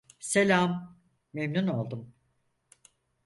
Selam, memnun oldum.